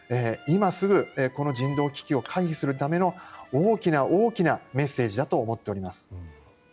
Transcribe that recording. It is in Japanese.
今すぐこの人道危機を回避するための大きな大きなメッセージだと思っております。